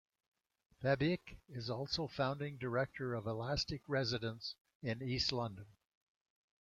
Fabyc is also Founding Director of Elastic Residence in East London.